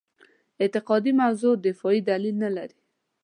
اعتقادي موضع دفاع دلیل نه لري.